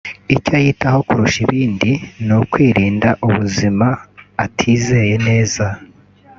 icyo yitaho kurusha ibindi ni ukwirinda ubuzima atizeye neza